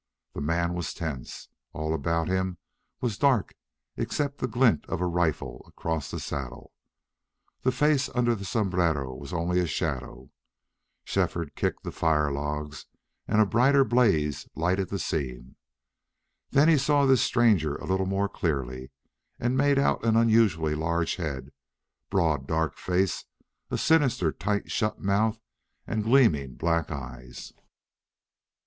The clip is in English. The man was tense. All about him was dark except the glint of a rifle across the saddle. The face under the sombrero was only a shadow. Shefford kicked the fire logs and a brighter blaze lightened the scene. Then he saw this stranger a little more clearly, and made out an unusually large head, broad dark face, a sinister tight shut mouth, and gleaming black eyes.